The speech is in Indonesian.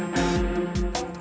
gak ada apa apa